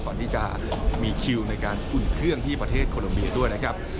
ก่อนที่จะมีคิวในการอุ่นเครื่องที่ประเทศโคลัมเบียด้วยนะครับ